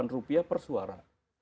rp satu ratus delapan per suara